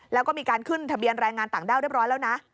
แล้วก็มีการขึ้นทะเบียนแรงงานต่างด้าวเรียบร้อยแล้วนะ